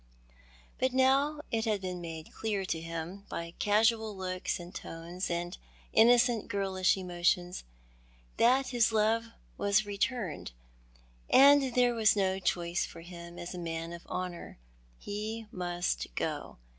But now it had been made clear to hira, by casual looks and tones, and innocent girlish emotions, that his love was returned — and there was no choice for hira as a man of honour. He must go.